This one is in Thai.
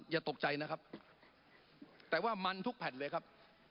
อย่าตกใจนะครับแต่ว่ามันทุกแผ่นเลยครับ